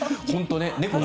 本当ね。